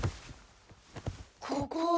ここは？